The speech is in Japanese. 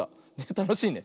たのしいね。